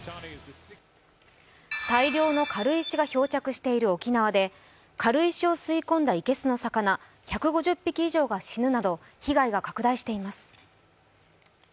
大量の軽石が漂着している沖縄で軽石を吸い込んだ生けすの魚、１５０匹以上が死ぬなど被害が拡大しています。